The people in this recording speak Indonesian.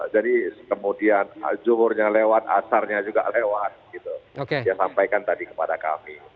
jadi kemudian zuhurnya lewat asarnya juga lewat gitu dia sampaikan tadi kepada kami